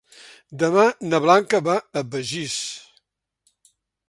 Demà na Blanca va a Begís.